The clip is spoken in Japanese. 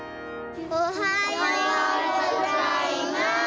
おはようございます。